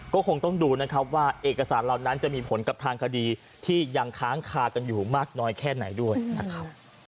ก็คงต้องดูนะครับว่าเอกสารเหล่านั้นจะมีผลกับทางคดีที่ยังค้างคากันอยู่มากน้อยแค่ไหนด้วยนะครับ